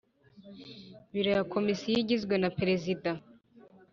Biro ya Komisiyo igizwe na Perezida